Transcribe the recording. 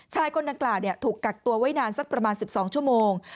คนดังกล่าวถูกกักตัวไว้นานสักประมาณ๑๒ชั่วโมง